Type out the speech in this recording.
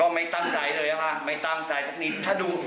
ก็ไม่ตั้งใจเลยนะครับไม่ตั้งใจสักนิด